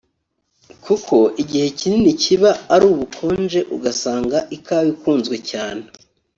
kuko igihe kinini kiba ari ubukonje ugasanga ikawa ikunzwe cyane